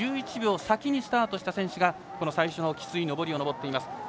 １１秒先にスタートした選手が最初のきつい上りを上っています。